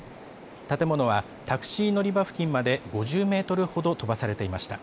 建物は、タクシー乗り場付近まで５０メートルほど飛ばされていました。